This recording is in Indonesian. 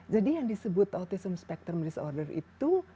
jadi yang disebut autism spectrum disorder itu